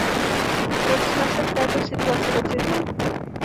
Proč jsme se v této situaci ocitli?